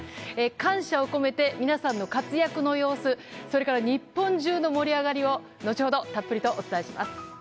感謝を込めて皆さんの活躍の様子それから日本中の盛り上がりを後ほどたっぷりとお伝えします。